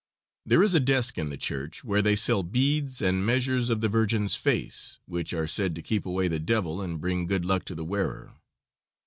There is a desk in the church where they sell beads and measures of the Virgin's face, which are said to keep away the devil and bring good luck to the wearer.